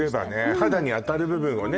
肌に当たる部分をね